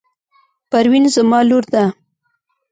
پروین زما لور ده.